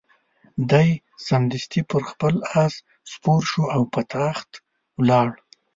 دی سمدستي پر خپل آس سپور شو او په تاخت ولاړ.